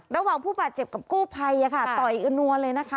ระหว่างผู้บาดเจ็บกับกู้ภัยต่อยอึนนัวเลยนะคะ